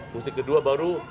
fungsi kedua baru